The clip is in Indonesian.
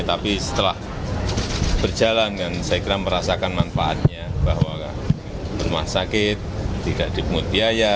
tapi setelah berjalan kan saya kira merasakan manfaatnya bahwa rumah sakit tidak dipungut biaya